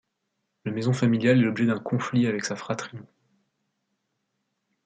La maison familiale est l'objet d'un conflit avec sa fratrie.